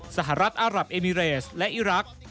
สหรัฐอารับเอมิเรสและอิรักษ์